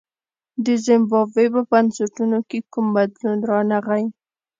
د زیمبابوې په بنسټونو کې کوم بدلون رانغی.